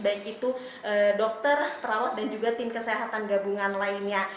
baik itu dokter perawat dan juga tim kesehatan gabungan lainnya